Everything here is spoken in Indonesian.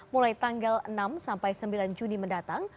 mulai tanggal enam sampai sembilan juni mendatang